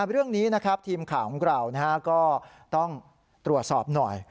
เรื่องนี้นะครับทีมข่าวของเราก็ต้องตรวจสอบหน่อย